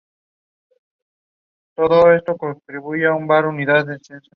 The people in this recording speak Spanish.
El castillo de Frauenfeld es un ejemplo de arquitectura barroca y clásica tardía.